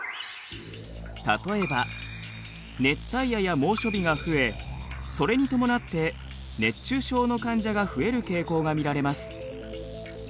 例えば熱帯夜や猛暑日が増えそれに伴って熱中症の患者が増える傾向が見られます。